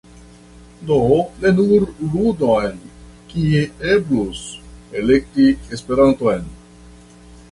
Do ne nur ludon, kie eblus “elekti" Esperanton.